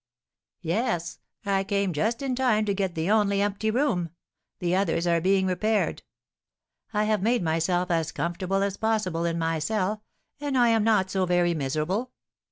"Yes; I came just in time to get the only empty room, the others are being repaired. I have made myself as comfortable as possible in my cell, and am not so very miserable.